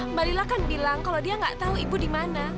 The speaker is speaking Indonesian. mbak lila kan bilang kalau dia nggak tahu ibu di mana